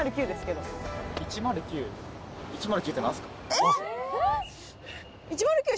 えっ！